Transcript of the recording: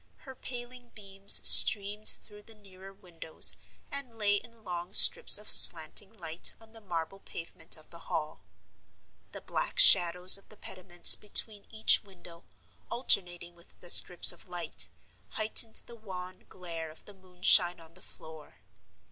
Her paling beams streamed through the nearer windows, and lay in long strips of slanting light on the marble pavement of the Hall. The black shadows of the pediments between each window, alternating with the strips of light, heightened the wan glare of the moonshine on the floor.